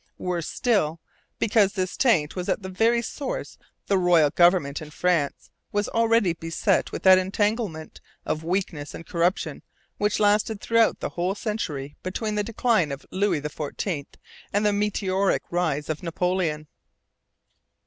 Worse still, because this taint was at the very source, the royal government in France was already beset with that entanglement of weakness and corruption which lasted throughout the whole century between the decline of Louis XIV and the meteoric rise of Napoleon.